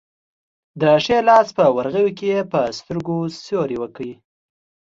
د ښي لاس په ورغوي کې یې په سترګو سیوری وکړ.